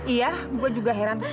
iya gue juga heran